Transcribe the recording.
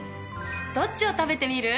どっちを食べてみる？